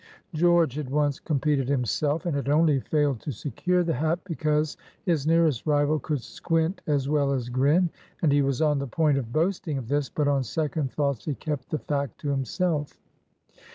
George had once competed himself, and had only failed to secure the hat because his nearest rival could squint as well as grin; and he was on the point of boasting of this, but on second thoughts he kept the fact to himself.